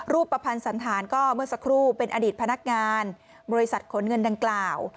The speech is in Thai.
ประพันธ์สันธารก็เมื่อสักครู่เป็นอดีตพนักงานบริษัทขนเงินดังกล่าว